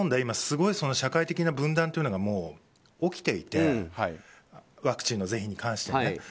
今、すごい社会的な分断というのが起きていてワクチンの是非に関してね。